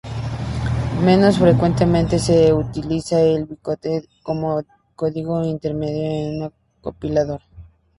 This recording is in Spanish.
Menos frecuentemente se utiliza el bytecode como código intermedio en un compilador.